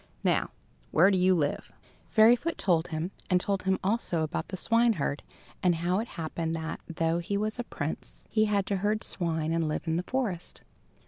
Now, where do you live?" Fairyfoot told him, and told him also about the swineherd, and how it happened that, though he was a prince, he had to herd swine and live in the forest.